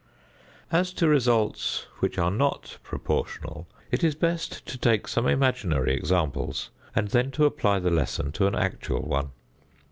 As to results which are not proportional, it is best to take some imaginary examples, and then to apply the lesson to an actual one.